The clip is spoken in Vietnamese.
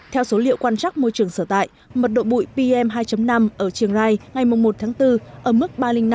theo số liệu quan trắc môi trường sở tại mật độ bụi pm hai năm ở trường rai ngày một tháng bốn ở mức ba trăm linh năm